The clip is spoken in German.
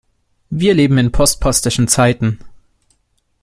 Wir leben in postpostischen Zeiten.